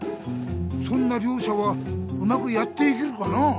そんなりょうしゃはうまくやっていけるかな？